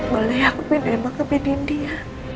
boleh ya kupin emma kupinin dia